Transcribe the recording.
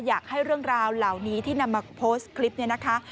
อยากให้เรื่องราวเหล่านี้ที่นำมาโพสต์คลิปนี้นะคะ